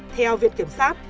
theo viện kiểm sát